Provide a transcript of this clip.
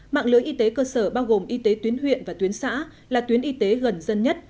mạng lưới y tế cơ sở bao gồm y tế tuyến huyện và tuyến xã là tuyến y tế gần dân nhất